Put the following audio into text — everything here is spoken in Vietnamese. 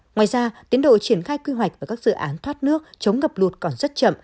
ngoài ra tiến độ triển khai quy hoạch và các dự án thoát nước chống ngập lụt còn rất chậm